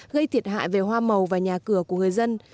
gây thiệt hại về hoa màu và nhà cửa của người dân